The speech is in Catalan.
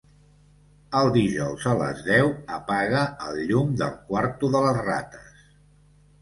Els dijous a les deu apaga el llum del quarto de les rates.